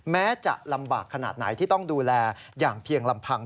แม้จะลำบากขนาดไหนที่ต้องดูแลอย่างเพียงลำพัง